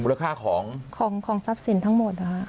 ค่าของของทรัพย์สินทั้งหมดนะคะ